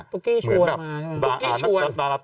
ตุ๊กกี้ชวนมา